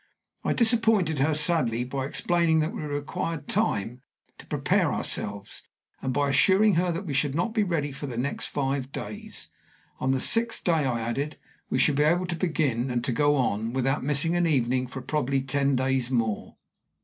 I disappointed her sadly by explaining that we required time to prepare ourselves, and by assuring her that we should not be ready for the next five days. On the sixth day, I added, we should be able to begin, and to go on, without missing an evening, for probably ten days more.